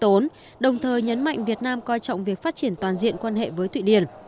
thủ tướng còn khiêm tốn đồng thời nhấn mạnh việt nam coi trọng việc phát triển toàn diện quan hệ với thụy điển